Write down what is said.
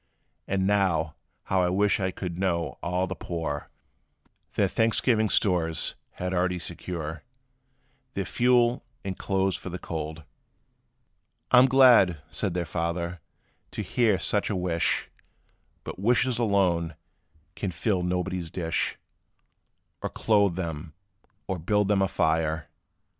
And now how I wish I could know all the poor Their Thanksgiving stores had already secure, Their fuel, and clothes for the cold!" "I 'm glad," said their father, "to hear such a wish; But wishes alone, can fill nobody's dish, Or clothe them, or build them a fire.